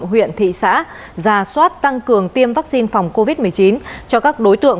huyện thị xã ra soát tăng cường tiêm vaccine phòng covid một mươi chín cho các đối tượng